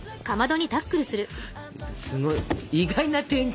すごい意外な展開。